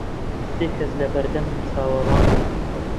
سێ کەس لە بەردەمم چاوەڕوان بوون.